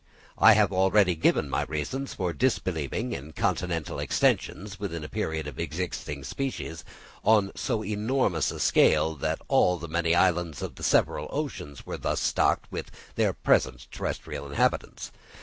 I have already given my reasons for disbelieving in continental extensions within the period of existing species on so enormous a scale that all the many islands of the several oceans were thus stocked with their present terrestrial inhabitants.